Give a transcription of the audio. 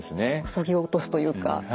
そぎ落とすというか。